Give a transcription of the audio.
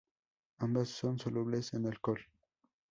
Ambas son solubles en alcohol.